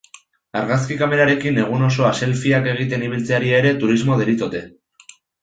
Argazki kamerekin egun osoa selfieak egiten ibiltzeari ere turismo deritzote.